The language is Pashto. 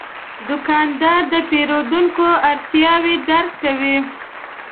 دوکاندار د پیرودونکو اړتیاوې درک کوي.